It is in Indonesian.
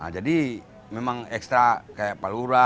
jadi memang ekstra kayak palura